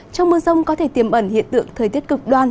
trong mưa rông có thể tiềm ẩn hiện tượng thời tiết cực đoan